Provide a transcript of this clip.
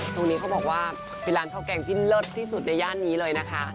ตรงนี้เขาบอกว่าเป็นร้านข้าวแกงที่เลิศที่สุดในย่านนี้เลยนะคะ